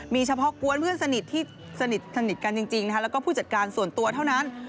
มีเฉพาะกวนเพื่อนสนิทที่สนิทกันจริงแล้วก็ผู้จัดการส่วนตัวเท่านั้น